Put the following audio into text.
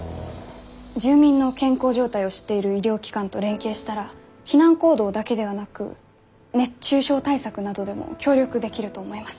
住民の健康状態を知っている医療機関と連携したら避難行動だけではなく熱中症対策などでも協力できると思います。